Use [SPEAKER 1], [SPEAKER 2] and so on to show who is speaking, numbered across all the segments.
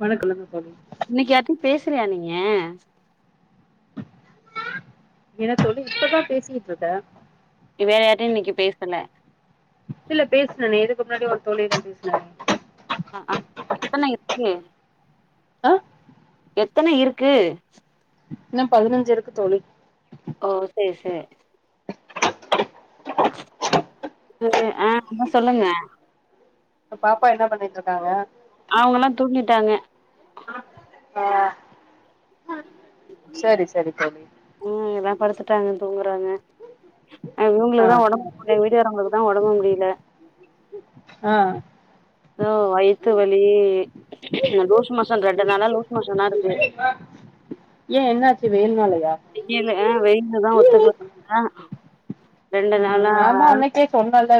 [SPEAKER 1] வணக்கம் தோழி
[SPEAKER 2] இன்னைக்கி யார்ட்டயு பேசலையா நீங்க
[SPEAKER 1] இல்ல தோழி இப்பதா பேசிட்டு இருக்கேன்
[SPEAKER 2] இவயாருட்டயு இன்னைக்கு பேசுனே
[SPEAKER 1] இல்ல பேசுனானே இதுக்கு முன்னாடி ஒரு தோழி தா பேசுனாங்க
[SPEAKER 2] ஆ ஆ இப்போ நா எப்போ
[SPEAKER 1] ஆ
[SPEAKER 2] எத்தனை இருக்கு
[SPEAKER 1] இன்னும் பதினஞ்சு இருக்கு தோழி
[SPEAKER 2] ஆ சேரி சேரி அ ஆமா சொல்லுங்க
[SPEAKER 1] பாப்பா என்ன பண்ணிட்டு இருக்காங்க
[SPEAKER 2] அவங்கல்லா தூங்கிட்டாங்க
[SPEAKER 1] ஆ சரி சரி தோழி
[SPEAKER 2] அ எல்லா படுத்துட்டாங்க தூங்கறாங்க அ
[SPEAKER 1] ஆ
[SPEAKER 2] ரூம்ல தா ஒடம் உன்னே வீடுக்காரவங்களுக்கு தா ஒடம்பு முடில
[SPEAKER 1] ஆ
[SPEAKER 2] தோ வயித்து வலி லூஸ் மோஷன் ரெண்டு நாளா லூசு மோஷனா இருக்கு
[SPEAKER 1] ஏ என்னாச்சு வெயில்னாலயா
[SPEAKER 2] தின்னேலே அ வெயிலு தா ஒத்துக்கல ஆ ரெண்டு
[SPEAKER 1] அ
[SPEAKER 2] நாளா
[SPEAKER 1] நா தா அன்னைக்கே சொன்னல்ல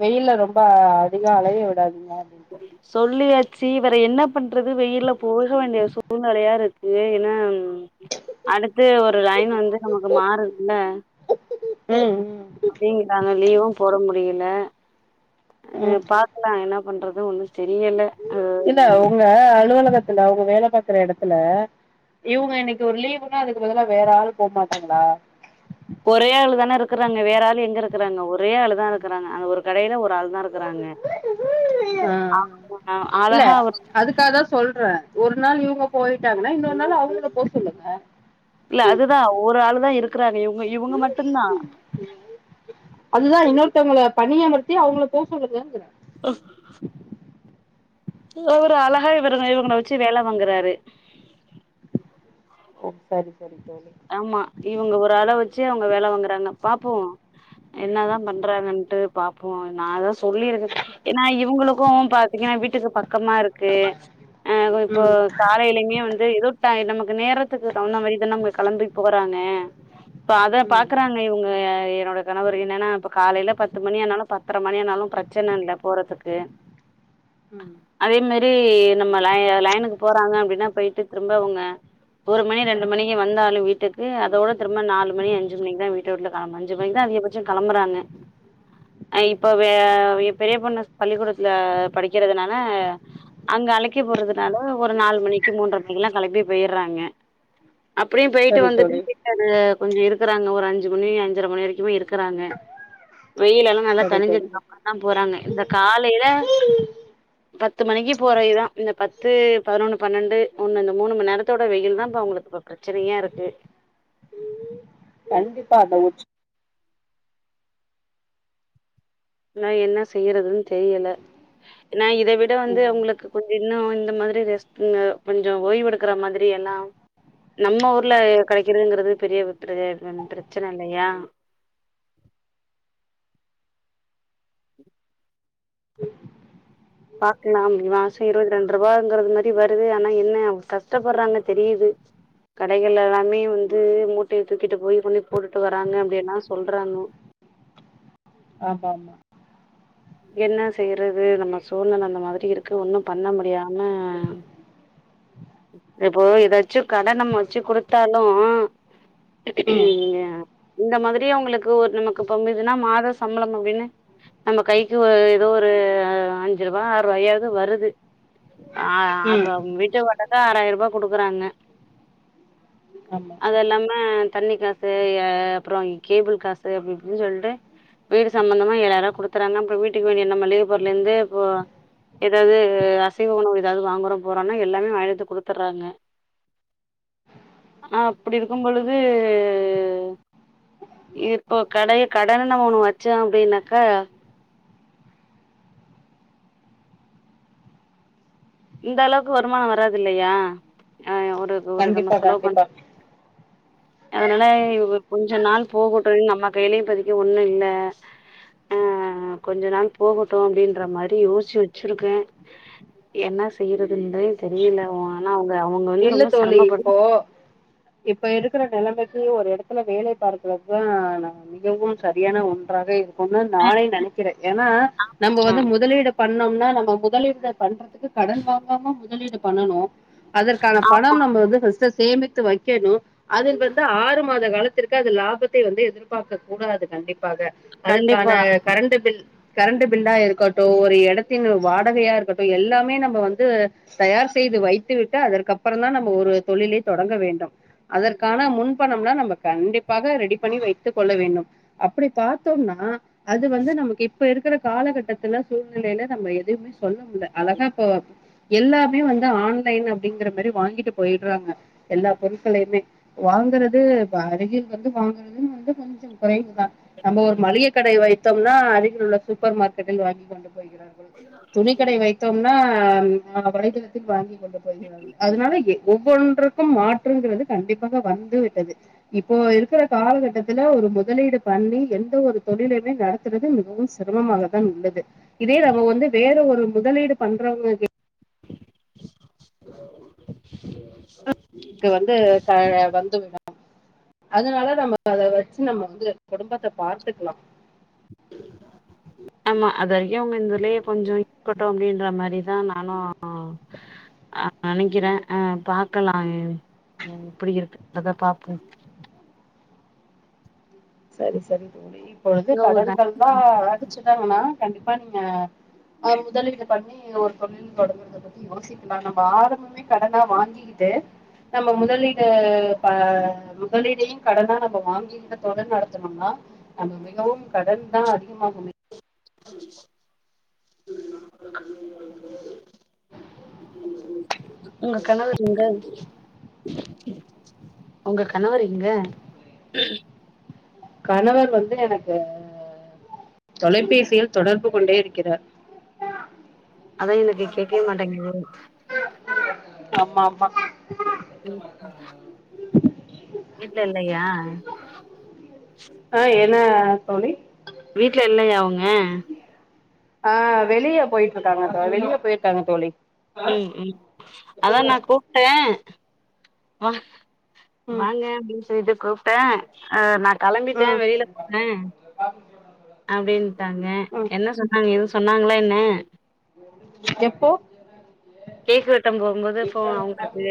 [SPEAKER 1] வெயில்ல ரொம்ப அதிக அலைய விடாதீங்க அப்டின்ட்டு
[SPEAKER 2] சொல்லியாச்சி வேற என்ன பண்றது வெயில்ல போக வேண்டிய சூழ்நெலயா இருக்கு ஏனா அடுத்து ஒரு லைன் வந்து நமக்கு மாறுதுல
[SPEAKER 1] ம் ம்
[SPEAKER 2] அப்டிங்குறாங்க லீவு போட முடியில அ
[SPEAKER 1] ம்
[SPEAKER 2] பாக்லா என்ன பண்றது ஒண்ணு தெரியல அ
[SPEAKER 1] இல்ல உங்க அலுவலகத்துல உங்க வேல பாக்குற எடத்துல இவுங்க இன்னக்கு ஒரு லீவ்ன்னா அதுக்கு பதுலா வேற ஆள் போ மாட்டாங்ளா
[SPEAKER 2] ஒரே ஆளுதான இருக்குறாங்க வேற ஆளு எங்க இருக்குறாங்க ஒரே ஆளுதா இருக்குறாங்க அந்த ஒரு கடைல ஒரு ஆள் தா இருக்குறாங்க
[SPEAKER 1] ஆ
[SPEAKER 2] [unintelligible] அழகா அவர்
[SPEAKER 1] தா தா சொல்ற ஒரு நான் இவுங்க போய்ட்டாங்கன்னா இன்னொரு நாள் அவுங்கள போ சொல்லுங்க
[SPEAKER 2] இல்ல அதுதா ஒரு ஆளுதா இருக்குறாங்க இவுங்க இவுங்க மட்டு தா
[SPEAKER 1] அதுதா இன்னொருத்தவங்க பணி அமர்த்தி அவுங்கள போ சொல்லுங்கங்ற
[SPEAKER 2] ஆ தோ ஒரு அழகா இவருங்க இவங்கள வச்சு வேல வாங்குறாரு
[SPEAKER 1] ஓ சரி சரி தோழி
[SPEAKER 2] ஆமா இவங்க ஒரு அள வச்சு அவங்க வேல வாங்குறாங்க பாப்போ என்னதா பண்றாங்கன்னட்டு பாபோ நா அதா சொல்லி இருக்கே ஏனா இவங்களுக்கு பாத்தீங்கன்னா வீட்டுக்கு பக்கமா இருக்கு அ கொ இப்போ
[SPEAKER 1] ம்
[SPEAKER 2] காலையிலிமே வந் து எதோ டைய் நமக்கு நேரத்துக்கு தவுந்த மாரி தா நம்ம களம்பி போறாங்க ப்ப அத
[SPEAKER 1] ம்
[SPEAKER 2] பாக்கறாங் ங்க இவுங்க என்னோட கணவரு என்னன்னா இப்ப காலைல பத்து மணி ஆனாலு பத்திர மணி ஆனாலு ப்ரச் ச்சன இல்ல போறதுக்கு
[SPEAKER 1] ம்
[SPEAKER 2] அதே மாரி நம்ம லை லைனுக்கு போறாங்க அப்டின்னா பேய்ட்டு திரும்ப அவுங்க ஒரு மணி ரெண்டு மணிக்கு வந்தா லு வீட்டுக்கு அதோட திரும்ப நாலு மணி அஞ்சு மணிக் வீட்ட வுட்லு கேலம்ப அஞ்சு மணிக்கு தா அதிகபட்ச களம்பறாங்க அ
[SPEAKER 1] ம்
[SPEAKER 2] இப்போவே ஏ பெரிய பொண்ணு பள்ளிக்கூடத்துல படிக்கிறதுனால அங்க அழைக்க போறதுனால ஒரு நாலு மணிக்கு மூன்றர மணிக்குலா களம்பி போய்ட்றாங்க எப்டியு போயிட்டு
[SPEAKER 1] சரி தோழி
[SPEAKER 2] வந்துட்டு அது கொஞ்சோ இருக்கறாங்க ஒரு அஞ்சு மணி அஞ்சற மணி வரைக்குமே இருக்கறாங்க வெயிலெல்லா நல்லா
[SPEAKER 1] சரி தோழி
[SPEAKER 2] தனிஞ்சதுக்கப்றோ தா போறாங்க இந்த காலேல பத்து மணிக்கு போறவைதா இந்த பத்து பதினொன்னு பன்னெண்டு ஒன்னு இந்த மூணு மண் நேரத்தோட வெயில் தா அப்ப அவுங்களுக்கு ப்ப ப்ரெச் ச்சனையா இருக்கு
[SPEAKER 1] கண்டிப்பா அந்த உச்
[SPEAKER 2] நா என்ன செய்யறதுன் தெரியல நா இத விட வந்து
[SPEAKER 1] ம்
[SPEAKER 2] அவுங்களுக்கு கொஞ்சோ இன்னு இந்த மாரி ரெஸ்ட் கொஞ்சோ ஓய்வு எடுக்கற மாதிரி எல்லா நம்ம ஊர்ல கிடைக்கிறதுங்கிறது பெரிய பெ பிர பிரச்சன இல்லையா பாக்கலாம் மாசம் இருபத்தி ரெண்டு ரூபாங்கிறது மாதிரி வருது ஆனா என்ன அவங் கஷ்டப்படுறாங்க தெரியுது கடைகள் எல்லாமே வந்து மூட்டைய துக்கிட்டு போய் கொண்டு போட்டுட்டு வராங்க அப்டிலா சொல்றாங்க
[SPEAKER 1] ஆமாம்மா
[SPEAKER 2] என்ன செய்யறது நம்ம சூழ்நெல அந்த மாதிரி இருக்கு ஒன்னு பண்ண முடியாம இப்போ இதாச்சு கட நம் வெச்சு குடுத்தாலு
[SPEAKER 1] ம்
[SPEAKER 2] ஆ இந்த மாதிரியே அவங்களுக்கு ஒரு நமக்குப்ப இதுன்னா மாத சம்பளம் அப்டின்னு நம்ம கை கு ஏதோ ஒரு அஞ்சு ரூபா ஆறுபாயாவது வருது அ
[SPEAKER 1] ம்
[SPEAKER 2] அப்ப வீட்டு வாடகை ஆறாயிர ரூபா கொடுக்குறாங்க
[SPEAKER 1] ஆமா
[SPEAKER 2] அது இல்லாம தண்ணி காசு ஆ அப்புற கேபிள் அப்டி இப்டின்னு சொல்டு வீடு சம்பந்தமா எழாயிருவா கொடுத்துற்றாங்க அப்றோ வீட்டுக்கு வேண்டிய இந்த மளிகைப் பொருள்ல இருந்து இப்போ ஏதாவது அசைவ உணவு ஏதாவது வாங்குறோ போறொன்னா எல்லாமே வாங்கிட்டு வந்து கொடுத்துடுறாங்க அ அப்டி இருக்கு பொழுது இப்போ கடையை கடனு நம்ம ஒன்னு வச்சே அப்டின்னாக்கா இந்த அளவுக்கு வருமானோ வராது இல்லையா அ ஒரு ஒரு நம்ம
[SPEAKER 1] கண்டிப்பா
[SPEAKER 2] செலவு பண்
[SPEAKER 1] கண்டிப்பா
[SPEAKER 2] அதனால இவுங்க கொஞ்ச நாள் போகட்டு நம்ம கையிலயு இப்பதிக்கு ஒண்ணு இல்ல ஆ ஆ ஆ கொஞ்ச நாள் போகட்டு அப்டின்ற மாரி யோசிச்சு வெச்சிருக்கே என்ன செய்யறதுன்னே தெரில ஆனா அவுங்க அவுங்க வந்து
[SPEAKER 1] இல்ல
[SPEAKER 2] ரொம்ப
[SPEAKER 1] தோழி
[SPEAKER 2] சிரமப்படுவாங்
[SPEAKER 1] இப்போ இப்ப இருக்கிற நெலமைக்கு ஒரு இடத்துல வேலை பாக்குறதுதா மிகவும் சரியான ஒன்றாக இருக்கும்னு நானே நெனைக்கிறே ஏனா நம்ம
[SPEAKER 2] ஆ
[SPEAKER 1] வந்து முதலீடு பண் பண்ணோம்னா நம்ம முதலீடு பண்றதுக்கு கடன் வாங்காம முதலீடு பண்ணனு அதற்கான
[SPEAKER 2] ஆமா
[SPEAKER 1] பணம் நம்ம வந்து ஃபர்ஸ்டு சேமித்து வெக்கணு அதில் வந்து ஆறு மாச இந்த காலத்திற்கு அது லாபத்த வந்து எதிர்பார்க்கக் கூடாது கண்டிப்பாக அதற்கான
[SPEAKER 2] கண்டிப்பா
[SPEAKER 1] கரண்ட் பில் கரண்ட் பில்லா இருக்கட்டு ஒரு எடத்தின் வாடகையா இருக்கட்டு எல்லாமே நம்ம வந்து தயார் செய்து வைத்து விட் விட்டு அதற்கப்றோ தா நம்ம ஒரு தொழில தொடங்க வேண்டும் அதற்கான முன்பணம்லா நம்ம கண்டிப்பாக ரெடி பண்ணி வைத்துக் கொள்ள வேண்டும் அப்டி பாத்தோம்னா அது வந்து நமக்கு இ இப்ப இருக்கிற காலகட்டத்துல சூழ்நிலையில நம்ம எதுவுமே சொல்ல முல அழகா இப்போ எல்லாமே வந்து ஆன்லைன் அப்டிங்கிற மாரி வாங்கிட்டு போயிடுறாங்க எல்லா பொருட்களையுமே வாங்குறது அருகில் வந்து வாங்கறதுன்னு வந்து குறைவுதா நம்ம ஒரு மளிகை கடை வைத்தோம்னா அருகில் உள்ள சூப்பர் மார்க்கெட்டில் வாங்கிக் கொண்டு போய்கிறாங்க துணி கடை வைத்தோம்னா ஆ வலைதளத்தில் வாங்கி கொ போகிறார்கள் அதனால ஒவ்வொன்றுக்கு மாற்றுங்கிறது கண்டிப்பாக வந்து விட்டது இப்போ இருக்கிற காலகட்டத்துல ஒரு முதலீடு பண்ணி எந்த ஒரு தொழிலுமே நடக் துறது மிகவு சிரமமாக தான் உள்ளது இதே நம்ம வந்து வேற ஒரு முதலீடு பண்றவங்க கிட் எனக்கு வந்து கா ஆ வந்து விட அதனால நம்ம அத வச்சு நம்ம வந்து குடும்பத்த பாத்துக்கலா
[SPEAKER 2] [inaudible] ஆமா அது வரைக்கு இந்துலயே கொஞ்சோ இருக்கட்டு அப்டின்ற மாரிதா நானு ஆ நெனைக்கிறே அ பாக்கலா எப்டி இருக்குன்றத பாப்போ
[SPEAKER 1] சரி சரி தோழி இப்ப வந்து
[SPEAKER 2] எங்க உங்க க
[SPEAKER 1] கடன்கள் தா அது ச்சட்டாங்கன்னா கண்டிப்பா நீங்க முதலீடு பண்ணி ஒரு தொழில் தொடங்குறது பத்தி யோசிக்கலா நம்ம ஆரம்பமே கடனா வாங்கிகிட்டு. நம்ம முதலீடு ப முதலீடையு கடனா நம்ம வாங்கிட்டு தொட நடத் துனோனா மிகவும் கடன் தா அதிகமாகுமே.
[SPEAKER 2] [unintelligible] உங்க கணவர் இங்க உங்க கணவர் எங்க
[SPEAKER 1] கணவர் வந்து எனக்கு தொலைபேசியில் தொடர்பு கொண்டே இருக்கிறார்.
[SPEAKER 2] அதே எனக்கு கேட்கவே மாட்டேங்கிது.
[SPEAKER 1] ஆம்மாம்மா.. [unintelligible]
[SPEAKER 2] ம். [unintelligible] வீட்ல இல்லையா.
[SPEAKER 1] ஆ என்ன தோழி
[SPEAKER 2] வீட்ல இல்லையா அவுங்க
[SPEAKER 1] ஆ.. வெளிய போயிட்டுருக்காங்க தோழி வெளியே போயிருக்காங்க தோழி
[SPEAKER 2] ம்ம் அதா நா கூப்ட்டே வா
[SPEAKER 1] ம்
[SPEAKER 2] வாங்க அப்டின்னு சொல்லிட்டு கூப்ட்டே ஆ நா களம்பிட்டே
[SPEAKER 1] ம்
[SPEAKER 2] வெளில போனே அப்டின்ட்டாங்க,
[SPEAKER 1] ம்
[SPEAKER 2] என்ன சொன்னாங்க எது சொன்னாங்களா என்ன.
[SPEAKER 1] எப்போ.
[SPEAKER 2] கேக்கு வெட்டும் போம்போது ஃபோ அவுங்கது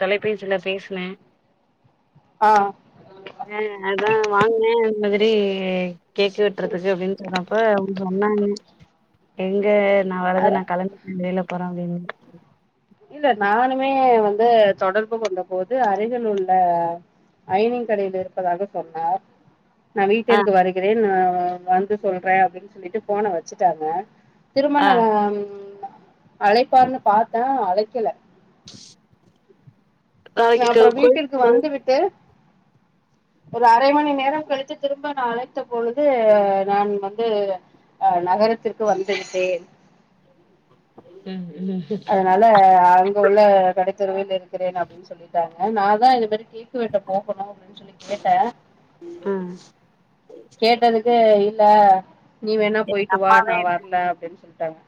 [SPEAKER 2] தொலைபேசியில பேசினே
[SPEAKER 1] அ.
[SPEAKER 2] ஆ அதா வாங்குனே இது மாத்ரி. கேக்கு வெட்டுறதுக்கு அப்டின்னு சொன்னப்ப அவுங் சொன்னாங்க எங்க நா வரது
[SPEAKER 1] அதா
[SPEAKER 2] நா கலந்து வெளில போறாங்கன்னு.
[SPEAKER 1] இல்ல நானுமே வந்து தொடர்பு கொண்ட போது அருகில் உள்ள அயனிங் கடையில இருப்பதாக சொன்னார். நா
[SPEAKER 2] ஆ
[SPEAKER 1] வீட்டிற்கு வருகிறேன் வந்து சொல்றே அப்டின்னு சொல்லிட்டு ஃபோன வச்சுட்டாங்க திரும்ப
[SPEAKER 2] ஆ
[SPEAKER 1] நாங்க அழைப்பார்ன்னு பாத்தே அழக்கெல.
[SPEAKER 2] [unintelligible] நாளைக்கு
[SPEAKER 1] அப்றோ
[SPEAKER 2] கோயிலுக்கு
[SPEAKER 1] வீட்டிற்கு
[SPEAKER 2] போற
[SPEAKER 1] வந்துவிட்டு ஒரு அரை மணி நேரம் கழித்து திரும்ப நா அழைத்த பொழுது நான் வந்து அ.. நகரத்திற்கு வந்துவிட்டே
[SPEAKER 2] ம் ம்
[SPEAKER 1] அதுனால அங்க உள்ள கடைத்தெருவில் இருக்கிறேன், அப்டின்னு சொல்லிட்டாங்க நா தா இதுமாரி. கேக்கு வெட்ட போகணு அப்டின்னு சொல்லி கேட்டே
[SPEAKER 2] ம்
[SPEAKER 1] கேட்டதுக் தெ, இல்ல நீ வேணா
[SPEAKER 2] எங்க
[SPEAKER 1] போயிட்டு வா, நா
[SPEAKER 2] அம்மாவே இல்ல
[SPEAKER 1] வர்ல அப்டின் சொல்லிட்டாங்க.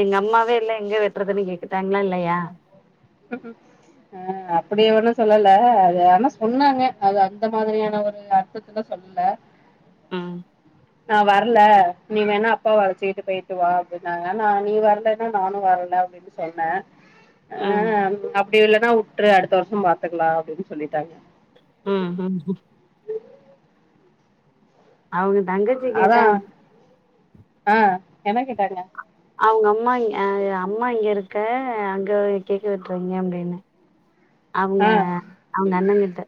[SPEAKER 2] எங்க அம்மாவே இல்ல எங்க வெட்டுறதுன்னு கேக்ட்டாங்களா இல்லையா.
[SPEAKER 1] ம் ம் அ. அப்டி ஒன்னு சொல்லல அது ஆனா சொன்னாங்க அது அந்த மாதிரியான ஒரு அர்த்தத்துல சொல்லல.
[SPEAKER 2] ம்
[SPEAKER 1] நா வர்ல நீ வேணா அப்பாவ அழச்சிகிட்டு போயிட்டு வா அப்டின்னாங்க நா நீ வரலன்னா நானு வர்ல அப்படின் சொன்னே அ
[SPEAKER 2] ம்
[SPEAKER 1] அப்டி இல்லன்னா வுட்டுரு அடுத்த வர்ஷோ பாத்துக்கலா அப்டின்னு சொல்லிட்டாங்க
[SPEAKER 2] ம் அவ்ங்க
[SPEAKER 1] அதா ஆ என்ன கேட்டாங்க
[SPEAKER 2] அவ்ங்க அம்மா அம்மா இங்க இருக்க அங்க கேக்க வெட்டுறீங்க அப்டின்னு அவ்ங்க
[SPEAKER 1] ஆ
[SPEAKER 2] அவுங்க அண்ணங்கிட்ட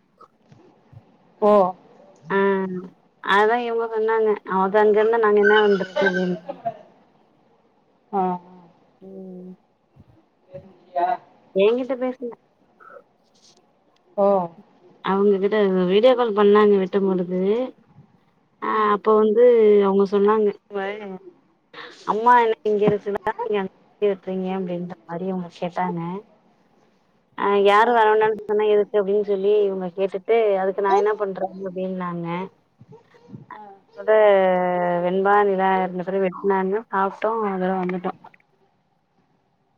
[SPEAKER 1] ஓ
[SPEAKER 2] ஆ அததா இவங்க சொன்னாங்க அவதா அங்க இருந்த நாங்க என்ன பண்றது அப்டின்னு
[SPEAKER 1] ஆ
[SPEAKER 2] ம்
[SPEAKER 1] வருவியா
[SPEAKER 2] என்கிட்ட பேசல
[SPEAKER 1] ஓ
[SPEAKER 2] அவங்க கிட்ட வீடியோ கால் பண்ணாங்க விட்டம்பொழுது ஆ
[SPEAKER 1] ம்
[SPEAKER 2] அப்ப வந்து தூ அவங்க சொன்னாங்க இவ அம்மா என்ன இங்க இருக்குல நீங்க அங்க போய் வெட்றிங்க அப்டின்ற மாரி அவுங்க கேட்டாங்க ஆ யாரு வர வேண்னானு சொன்னா எதுக்கு அப்டின்னு சொல்லி இவங்க கேட்டு தூ அதுக்கு நா என்ன பண்றது அப்டின்னாங்க
[SPEAKER 1] ஆ
[SPEAKER 2] அத வெண்பா நிலா இருந்தபிறகு வெட்டுனாங்க சாப்ட்டோ அதோட வந்துட்டோ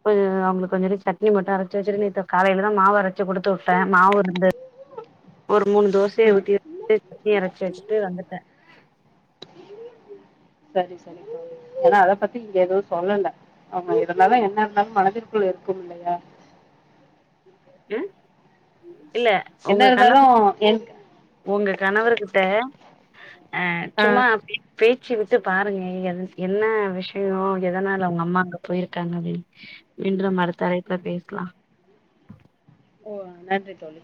[SPEAKER 2] கொஞ்ச அவங்களுக்கு கொஞ்ச வெரியு சட்னி மட்டு அரைச்சி வெச்சுட்டு நீ காலையில தா மாவு அரைச்சி குடுத்து விட்டே மாவு இருந்த ஒரு மூணு தோசைய
[SPEAKER 1] ம்
[SPEAKER 2] ஊத்தி வெச்சுட்டு சட்னி அரைச்சி வெச்சிட்டு வந்துட்டே
[SPEAKER 1] சரி சரி தோழி ஆனா அத பத்தி இங்க ஏதுவு சொல்லல அவங்க எதனா இருந்தாலு என்ன இருந்தாலு மனதிற்குள் எதுவு இல்ல
[SPEAKER 2] அ இல்ல
[SPEAKER 1] என்ன இருந்தாலு என்
[SPEAKER 2] உங்க கணவர் கிட்ட அ
[SPEAKER 1] ஆ
[SPEAKER 2] சும்மா அப்டி பேச்சி விட்டு பாருங்க என்ன விஷயோ எதனால அவங்க அம்மா அங்க போயிருக்காங்க அப்டின் மீண்றும் அடுத்த அழைப்புல பேசலா
[SPEAKER 1] ஓ நன்றி தோழி